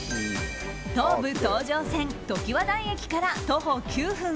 東武東上線ときわ台駅から徒歩９分。